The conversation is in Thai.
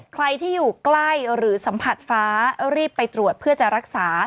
ใครที่อยู่ใกล้หรือสัมผัสฟ้ารีบไปตรวจเพื่อจะรักษา